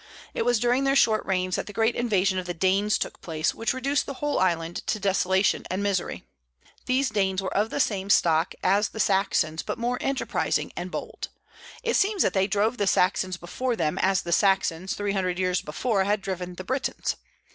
It was during their short reigns that the great invasion of the Danes took place, which reduced the whole island to desolation and misery. These Danes were of the same stock as the Saxons, but more enterprising and bold. It seems that they drove the Saxons before them, as the Saxons, three hundred years before, had driven the Britons.